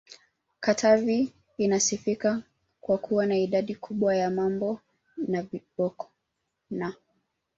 Katavi inasifika kwa kuwa na idadi kubwa ya Mambo na voboko n